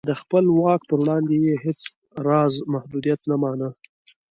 د خپل واک پر وړاندې یې هېڅ راز محدودیت نه مانه.